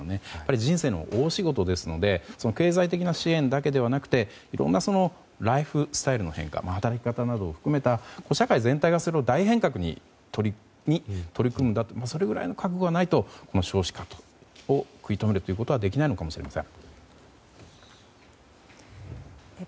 人生の大仕事ですので経済的な支援だけではなくていろんなライフスタイルの変化働き方などを含めた社会全体が大変革に取り組むそれぐらいの覚悟がないと少子化を食い止めることはできないのかもしれません。